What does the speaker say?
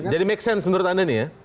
jadi make sense menurut anda nih ya